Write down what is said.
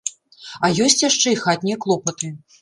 А ёсць яшчэ і хатнія клопаты.